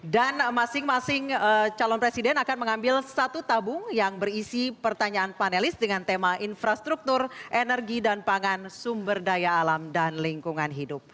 dan masing masing calon presiden akan mengambil satu tabung yang berisi pertanyaan panelis dengan tema infrastruktur energi dan pangan sumber daya alam dan lingkungan